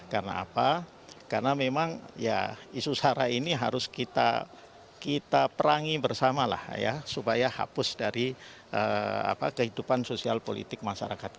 karena apa karena memang ya isu sara ini harus kita perangi bersama lah ya supaya hapus dari kehidupan sosial politik masyarakat